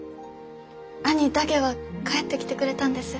兄だけは帰ってきてくれたんです。